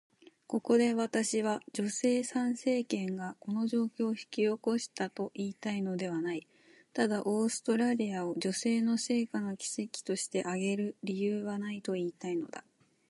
ここで私は、女性参政権がこの状況を引き起こしたと言いたいのではない。ただ、オーストラリアを女性の成果の奇跡として挙げる理由はないと言いたいのだ。